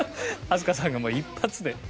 飛鳥さんがもう１発で。